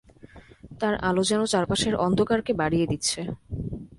তার আলো যেন চারপাশের অন্ধকারকে বাড়িয়ে দিচ্ছে।